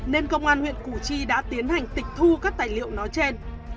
nên công an huyện củ chi đã tiến hành tịch thu các tài liệu nói trên